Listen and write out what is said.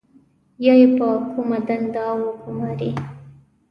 یا یې په کومه دنده وګمارئ.